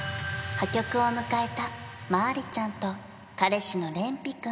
破局を迎えたまありちゃんと彼氏のれん